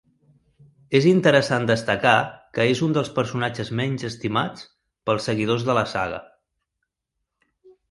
És interessant destacar que és un dels personatges menys estimats pels seguidors de la saga.